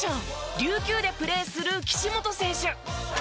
琉球でプレーする岸本選手。